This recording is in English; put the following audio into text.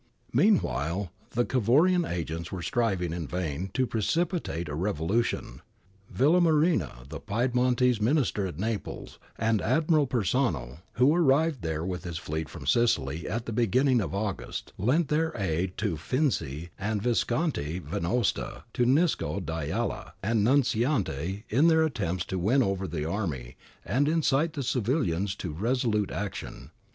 Meanwhile, the Cavourian agents were striving in vain to precipitate a revolution.'^ Villamarina, the Pied montese Minister at Naples, and Admiral Persano, who arrived there with his fleet from Sicily at the beginning of August, lent their aid to Finzi and Visconti Venosta, to Nisco, D'Ayala, and Nunziante in their attempts to win over the army and incite the civilians to resolute action.